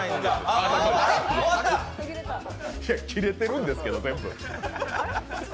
切れてるんですけど、全部。